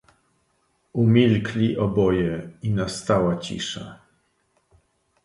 "Umilkli oboje i nastała cisza."